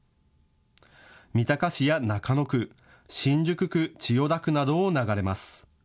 三鷹市や中野区、新宿区、千代田区などを流れます。